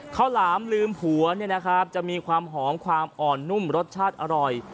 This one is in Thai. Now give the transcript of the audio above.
ข้าวหลามลืมหัวจะมีความหอมความอ่อนนุ่มรสชาติอร่อย